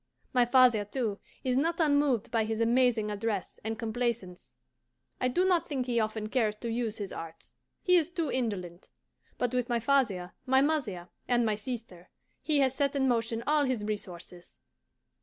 My father, too, is not unmoved by his amazing address and complaisance. I do not think he often cares to use his arts he is too indolent; but with my father, my mother, and my sister he has set in motion all his resources.